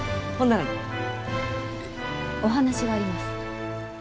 お話があります。